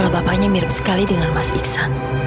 bilang kalau bapaknya mirip sekali dengan mas iksan